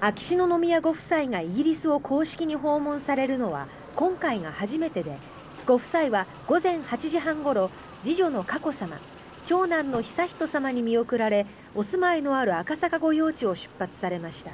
秋篠宮ご夫妻がイギリスを公式に訪問されるのは今回が初めてでご夫妻は午前８時半ごろ次女の佳子さま長男の悠仁さまに見送られお住まいのある赤坂御用地を出発されました。